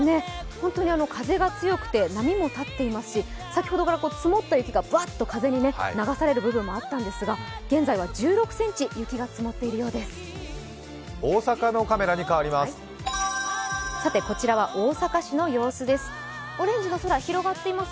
本当に風が強くて波も立っていますし先ほどから積もった雪がバッと風に流される場面もあったんですが現在は１６ｃｍ、雪が積もっています。